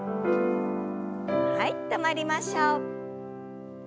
はい止まりましょう。